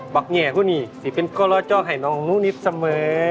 บากแง่พวกนี้สิเป็นก็รอเจ้าให้น้องนุ่งนิดเสมอ